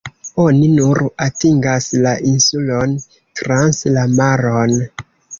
Oni nur atingas la insulon trans la maron.